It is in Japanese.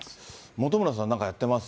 本村さん、なんかやってます？